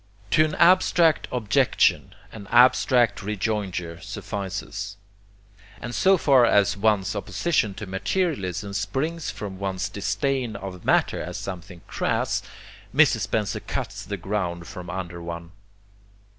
To an abstract objection an abstract rejoinder suffices; and so far as one's opposition to materialism springs from one's disdain of matter as something 'crass,' Mr. Spencer cuts the ground from under one.